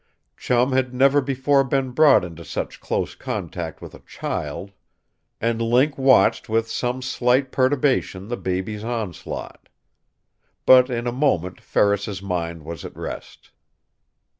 Chum had never before been brought into such close contact with a child. And Link watched with some slight perturbation the baby's onslaught. But in a moment Ferris's mind was at rest.